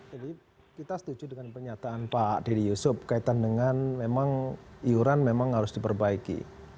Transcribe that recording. jadi kita setuju dengan pernyataan pak dedy yusuf kaitan dengan memang iuran memang harus diperbaiki